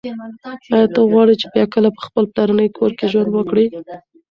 ایا ته غواړې چې بیا کله په خپل پلرني کور کې ژوند وکړې؟